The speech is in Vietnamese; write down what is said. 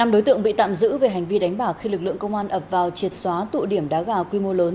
năm đối tượng bị tạm giữ về hành vi đánh bạc khi lực lượng công an ập vào triệt xóa tụ điểm đá gà quy mô lớn